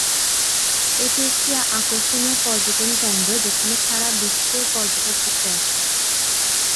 এটি একটি আকর্ষণীয় পর্যটন কেন্দ্র যেখানে সারা বিশ্বের পর্যটক ঘুরতে আসে।